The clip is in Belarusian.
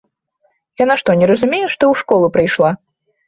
Яна што не разумее, што ў школу прыйшла?